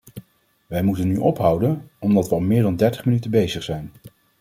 Wij moeten nu ophouden, omdat we al meer dan dertig minuten bezig zijn.